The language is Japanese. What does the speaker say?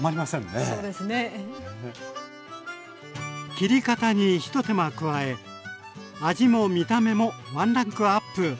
切り方に一手間加え味も見た目もワンランクアップ。